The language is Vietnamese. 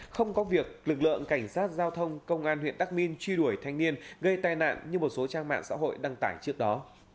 không có việc lực lượng cảnh sát giao thông công an huyện đắc minh truy đuổi thanh niên gây tai nạn như một số trang mạng xã hội đăng tải trước đó